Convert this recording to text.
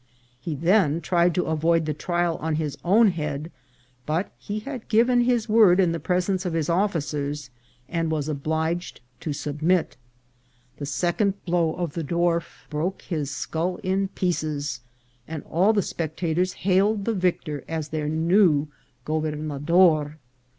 He then tried to avoid the trial on his own head, but he had given his word in the presence of his officers, and was obliged to submit. The second blow of the dwarf broke his scull in pieces, and all the spectators hailed HOUSE OF THE NUNS. 425 the victor as their new gobernador.